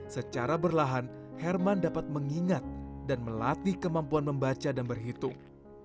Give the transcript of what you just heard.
secara berlahan herman dapat mengingat dan melatih kemampuan membaca dan berhitung